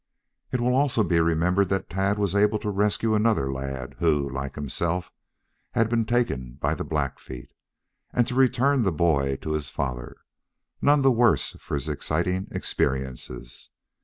It will also be remembered that Tad was able to rescue another lad who, like himself, had been taken by the Blackfeet, and to return the boy to his father, none the worse for his exciting experiences.